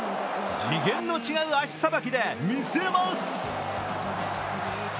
次元の違う足さばきで見せます。